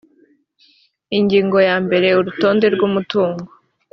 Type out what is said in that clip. ingingo ya mbere urutonde rw’umutungo